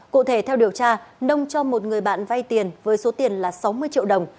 cụ thể theo điều tra nông cho một người bạn vay tiền với số tiền là sáu mươi triệu đồng